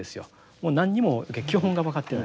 もう何にも基本が分かってない。